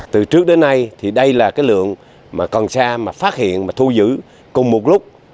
từ trước đến nay thì đây là cái lượng mà cần sa mà phát hiện mà thu giữ cùng một lúc